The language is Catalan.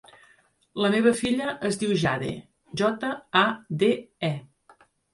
La meva filla es diu Jade: jota, a, de, e.